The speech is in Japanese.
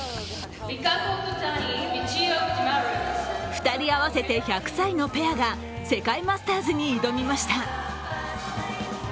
２人合わせて１００歳のペアが世界マスターズに挑みました。